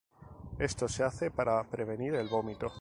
Esto se hace para prevenir el vómito.